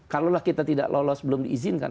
kalau kita tidak lolos belum diizinkan